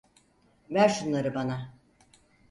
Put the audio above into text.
Ver şunları bana.